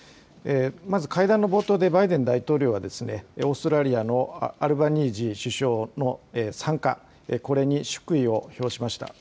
まず会談の冒頭でバイデン大統領は、オーストラリアのアルバニージー首相の参加、これに祝意を表しました。